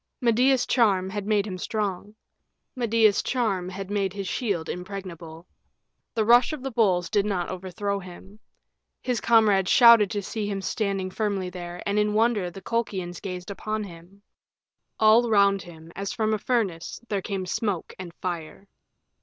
Medea's charm had made him strong; Medea's charm had made his shield impregnable. The rush of the bulls did not overthrow him. His comrades shouted to see him standing firmly there, and in wonder the Colchians gazed upon him. All round him, as from a furnace, there came smoke and fire.